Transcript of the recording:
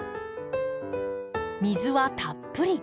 水はたっぷり。